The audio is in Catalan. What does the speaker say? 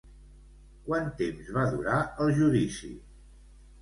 Quant temps va durar el judici?